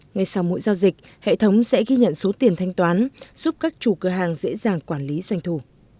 ngay sau mỗi giao dịch hệ thống sẽ ghi nhận số tiền thanh toán giúp các chủ cửa hàng dễ dàng quản lý doanh thù